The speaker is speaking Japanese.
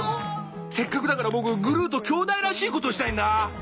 せっかくだから僕グルーと兄弟らしいことしたいんだ。